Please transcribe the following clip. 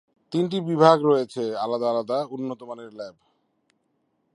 তিনটি বিভাগ রয়েছে আলাদা আলাদা উন্নতমানের ল্যাব।